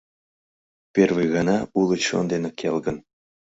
Первый гана уло чон дене келгын